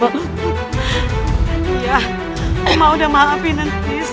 emak udah maafin entis